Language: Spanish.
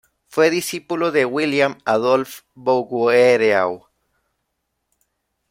Fue discípulo de William Adolphe Bouguereau.